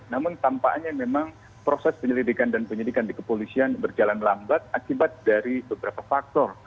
namun tampaknya memang proses penyelidikan dan penyidikan di kepolisian berjalan lambat akibat dari beberapa faktor